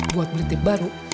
buat belitip baru